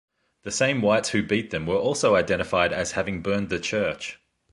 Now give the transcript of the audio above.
The same whites who beat them were also identified as having burned the church.